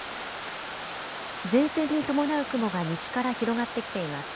前線に伴う雲が西から広がってきています。